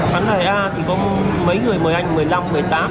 bán lại a thì có mấy người mời anh một mươi năm một mươi tám